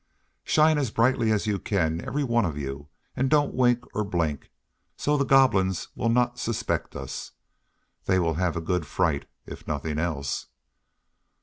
"Shine as brightly as you can, every one of you, and don't wink or blink, so the Goblins will not suspect us. They will have a good fright, if nothing else."